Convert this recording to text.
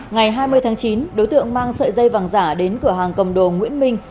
ngày hai mươi tháng chín đối tượng mang sợi dây vàng giả đến cửa hàng cầm đồ nguyễn minh